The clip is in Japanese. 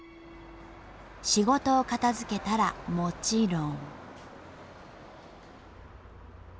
仕事を片づけたらもちろん。